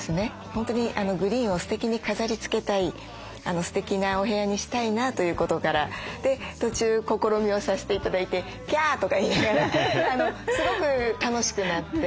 本当にグリーンをステキに飾りつけたいステキなお部屋にしたいなということから途中試みをさせて頂いてキャーとか言いながらすごく楽しくなって。